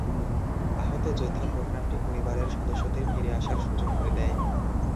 আহত যোদ্ধা প্রোগ্রামটি পরিবারের সদস্যদের ফিরে আসার সুযোগ করে দেয়।